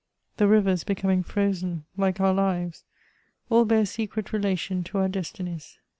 1 37 the riyers becoming frozen like our lives, all bear secret relation to our destinies.